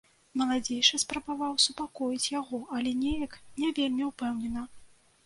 Маладзейшы спрабаваў супакоіць яго, але неяк не вельмі ўпэўнена.